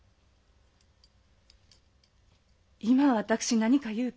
今私何か言うた？